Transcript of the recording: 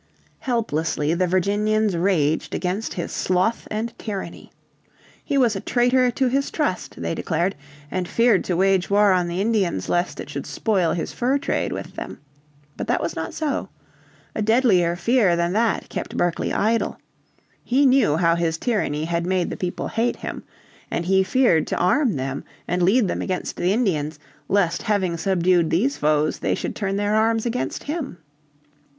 Helplessly the Virginians raged against his sloth and tyranny. He was a traitor to his trust, they declared, and feared to wage war on the Indians lest it should spoil his fur trade with them. But that was not so. A deadlier fear than that kept Berkeley idle. He knew how his tyranny had made the people hate him, and he feared to arm them and lead them against the Indians, lest having subdued these foes they should turn their arms against him.